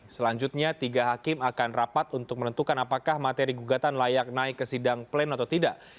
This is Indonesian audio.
selanjutnya tiga hakim akan rapat untuk menentukan apakah materi gugatan layak naik ke sidang plan atau tidak